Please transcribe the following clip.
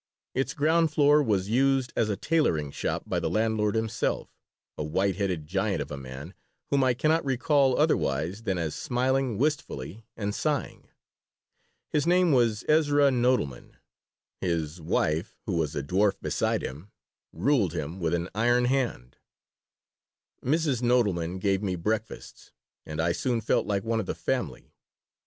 Its ground floor was used as a tailoring shop by the landlord himself, a white headed giant of a man whom I cannot recall otherwise than as smiling wistfully and sighing. His name was Esrah Nodelman. His wife, who was a dwarf beside him, ruled him with an iron hand Mrs. Nodelman gave me breakfasts, and I soon felt like one of the family.